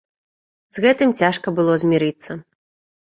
З гэтым цяжка было змірыцца.